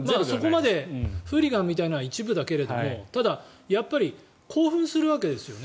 フーリガンみたいなのは一部だけどただ、やっぱり興奮するわけですよね。